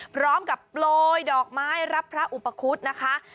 พร้อมกับโปรยดอกไม้รับพระอุปคุทธ์นะคะ